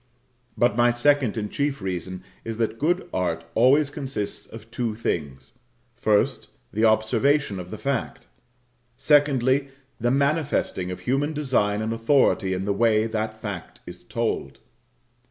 But my second and chief reason is that good art always consists of two things: First, the observation of fact; secondly, the manifesting of human design and authority in the way that fact is told.